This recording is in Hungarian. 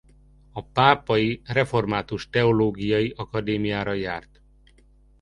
A pápai református teológiai akadémiára járt.